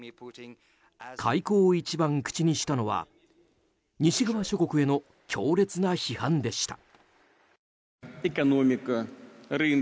開口一番、口にしたのは西側諸国への強烈な批判でした。